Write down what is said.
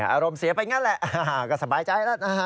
อารมณ์เสียไปงั้นแหละก็สบายใจแล้วนะฮะ